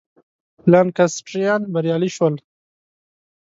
لانکسټریان بریالي شول.